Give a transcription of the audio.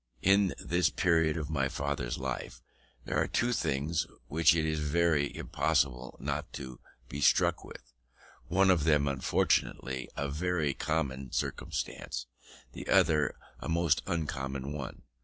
In this period of my father's life there are two things which it is impossible not to be struck with: one of them unfortunately a very common circumstance, the other a most uncommon one.